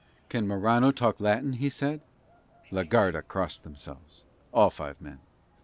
"Can Morano talk Latin?" he said. La Garda crossed themselves, all five men.